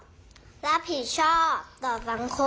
รู้คิดรอคอกรับผิดชอบต่อสังคม